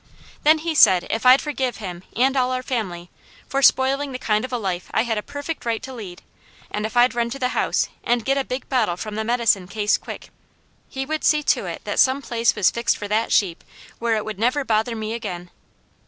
Then he said if I'd forgive him and all our family, for spoiling the kind of a life I had a perfect right to lead, and if I'd run to the house and get a big bottle from the medicine case quick, he would see to it that some place was fixed for that sheep where it would never bother me again.